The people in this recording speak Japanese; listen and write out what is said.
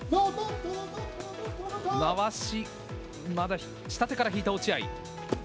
まわし、まだ、下手から引いた落合。